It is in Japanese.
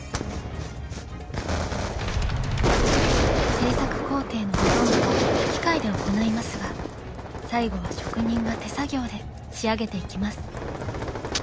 製作工程のほとんどは機械で行いますが最後は職人が手作業で仕上げていきます。